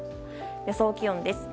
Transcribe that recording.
予想気温です。